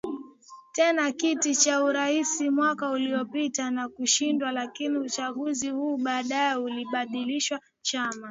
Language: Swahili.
tena kiti cha urais mwaka uliopita na kushindwa lakini uchaguzi huo baadaye ulibatilishwaChama